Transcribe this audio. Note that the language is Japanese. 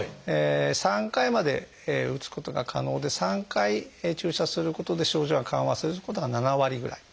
３回まで打つことが可能で３回注射することで症状が緩和することが７割ぐらい。